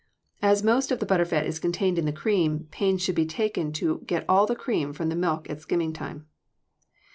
As most of the butter fat is contained in the cream, pains should be taken to get all the cream from the milk at skimming time.